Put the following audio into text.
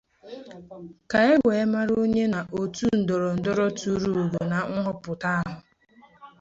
ka e wee mara onye na otu ndọrọndọrọ tuuru ugo na nhọpụta ahụ.